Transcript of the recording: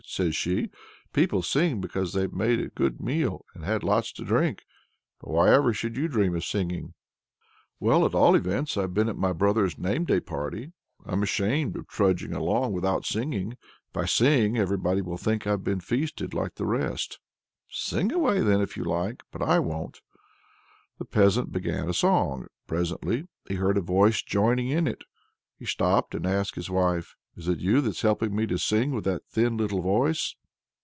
says she, "people sing because they've made a good meal and had lots to drink; but why ever should you dream of singing?" "Well, at all events, I've been at my brother's name day party. I'm ashamed of trudging along without singing. If I sing, everybody will think I've been feasted like the rest." "Sing away, then, if you like; but I won't!" The peasant began a song. Presently he heard a voice joining in it. So he stopped, and asked his wife: "Is it you that's helping me to sing with that thin little voice?"